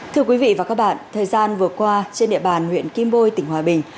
thưa quý vị và các bạn thời gian vừa qua trên địa bàn huyện kim bôi tỉnh hòa bình